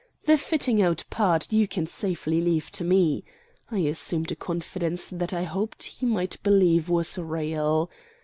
"The fitting out part you can safely leave to me." I assumed a confidence that I hoped he might believe was real.